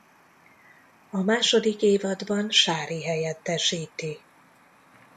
A második évadban Sári helyettesíti.